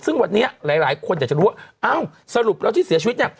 ซึ่งวันนี้หลายคนอยากจะรู้ว่าเอ้าสรุปแล้วที่เสียชีวิตเนี่ย